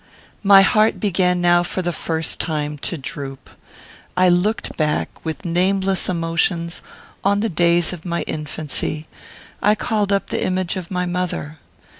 My heart began now, for the first time, to droop. I looked back, with nameless emotions, on the days of my infancy. I called up the image of my mother.